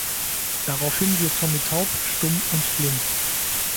Daraufhin wird Tommy taub, stumm und blind.